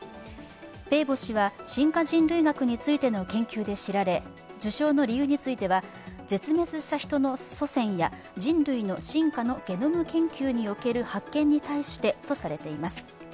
ペーボ氏は、進化人類学についての研究で知られ、受賞の理由については、絶滅したヒトの祖先や人類の進化のゲノム研究における発見に対してとされています。